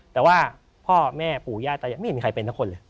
แต่ว่าพ่อแม่ปู่ย่าตายังไม่เห็นใครเป็นทั้งคนเลย